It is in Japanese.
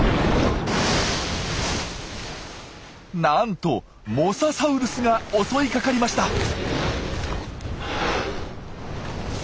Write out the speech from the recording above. なんとモササウルスが襲いかかりました！